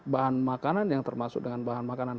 bahan makanan yang termasuk dengan bahan makanan